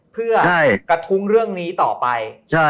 เพื่อกระทุ้งเรื่องนี้ต่อไป